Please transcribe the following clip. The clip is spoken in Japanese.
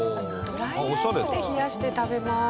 ドライアイスで冷やして食べます。